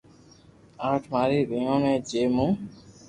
آٺ ماري ٻينو ھي جي مون